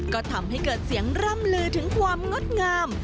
ก็ทำให้เกิดเสียงร่ำลือถึงความงดงาม